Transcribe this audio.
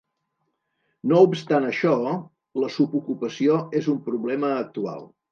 No obstant això, la subocupació és un problema actual.